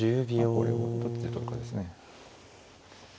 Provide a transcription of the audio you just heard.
これをどっちで取るかですね。